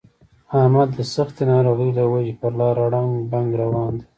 احمد د سختې ناروغۍ له وجې په لاره ړنګ بنګ روان دی.